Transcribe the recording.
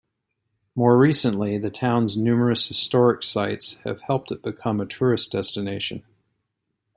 More recently, the town's numerous historic sites have helped it become a tourist destination.